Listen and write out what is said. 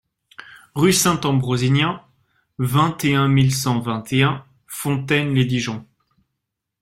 Rue Saint-Ambrosinien, vingt et un mille cent vingt et un Fontaine-lès-Dijon